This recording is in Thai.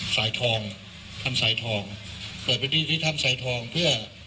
สายทองถ้ำสายทองเปิดพื้นที่ที่ถ้ำสายทองเพื่อ